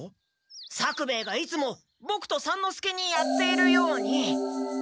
作兵衛がいつもボクと三之助にやっているように。